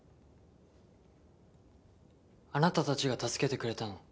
あなたたちが助けてくれたの？